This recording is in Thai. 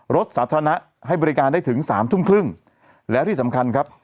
รถสาธารณะให้บริการได้ถึงสามทุ่มครึ่งแล้วที่สำคัญครับ